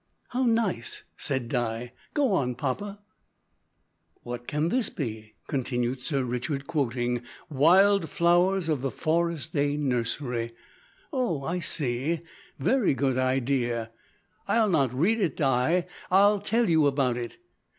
"How nice!" said Di. "Go on, papa." "What can this be?" continued Sir Richard, quoting "Wild Flowers of the Forest Day Nursery. Oh! I see very good idea. I'll not read it, Di, I'll tell you about it.